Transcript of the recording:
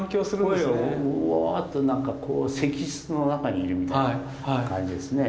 声もうぉっと何か石室の中にいるみたいな感じですね。